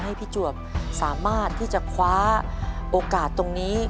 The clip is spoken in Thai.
ให้พี่จวบสามารถที่จะคว้าโอกาสตรงนี้